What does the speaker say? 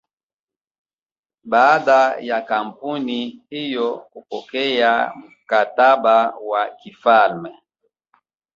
Baada ya kampuni hiyo kupokea mkataba wa kifalme